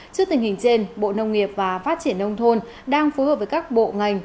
trước tình hình trên bộ nông nghiệp và phát triển nông thôn đang phối hợp với các bộ ngành